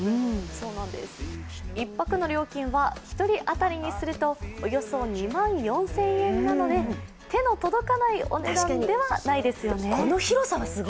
１泊の料金は１人当たりにするとおよそ２万４０００円なので手の届かないお値段ではないですよね。